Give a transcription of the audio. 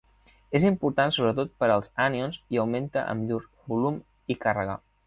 És important sobretot per als anions i augmenta amb llur volum i càrrega.